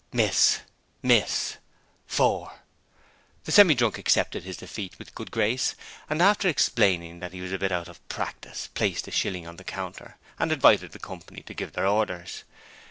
'Miss!' 'Miss!' 'Four!' The Semi drunk accepted his defeat with a good grace, and after explaining that he was a bit out of practice, placed a shilling on the counter and invited the company to give their orders.